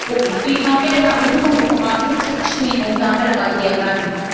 viliongeza uchungu kwa Wakristo chini ya utawala wa Kiarabu